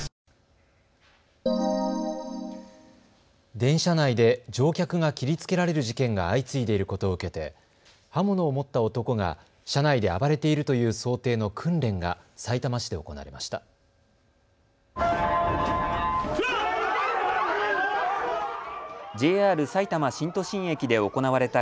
電車内で乗客が切りつけられる事件が相次いでいることを受けて刃物を持った男が車内で暴れているという想定の訓練がさいたま市で行われました。